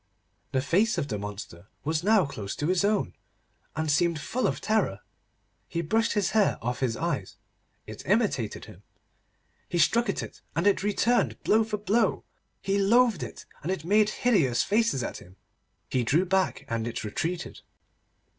The face of the monster was now close to his own, and seemed full of terror. He brushed his hair off his eyes. It imitated him. He struck at it, and it returned blow for blow. He loathed it, and it made hideous faces at him. He drew back, and it retreated.